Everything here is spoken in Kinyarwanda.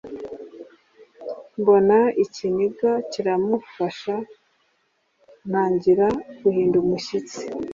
mbona ikiniga kiramufasha ntangira guhinda umushyitsi